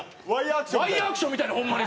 ワイヤアクションみたいにホンマに。